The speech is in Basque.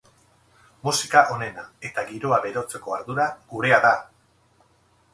Musika onena eta giroa berotzeko ardura gurea da!